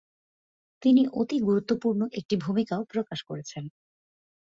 তিনি অতি গুরুত্বপূর্ণ একটি ভূমিকাও প্রকাশ করেছেন ।